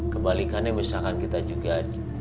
kebalikannya misalkan kita juga